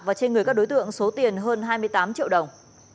và trên người các đối tượng số tiền hơn hai mươi tám triệu đồng